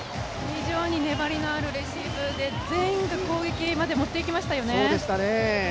非常に粘りのあるレシーブで全員が攻撃まで持っていきましたね。